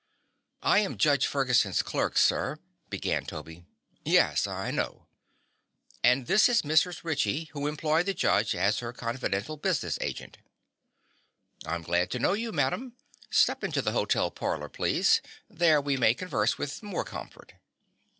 "I am Judge Ferguson's clerk, sir," began Toby. "Yes; I know." "And this is Mrs. Ritchie, who employed the judge as her confidential business agent." "I am glad to know you, madam. Step into the hotel parlor, please. There we may converse with more comfort."